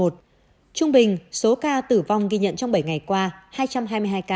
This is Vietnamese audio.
trung bình số ca tử vong ghi nhận trong bảy ngày qua hai trăm hai mươi hai ca